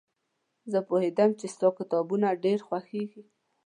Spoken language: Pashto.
زه پوهېدم چې ستا کتابونه ډېر خوښېږي.